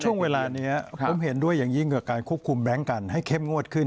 ช่วงเวลานี้ผมเห็นด้วยอย่างยิ่งกับการควบคุมแบงค์กันให้เข้มงวดขึ้น